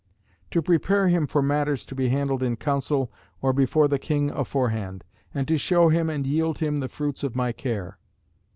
"To prepare him for matters to be handled in Council or before the King aforehand, and to show him and yield him the fruits of my care.